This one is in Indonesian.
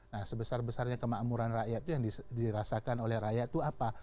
nah sebesar besarnya kemakmuran rakyat itu yang dirasakan oleh rakyat itu apa